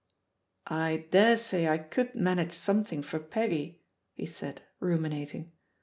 "I daresay I could manage something for Peggy," he said, ruminating.